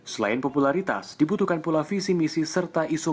selain popularitas dibutuhkan pula visi misi serta isu